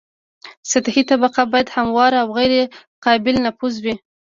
سطحي طبقه باید همواره او غیر قابل نفوذ وي